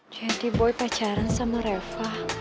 jadi boy pacaran sama reva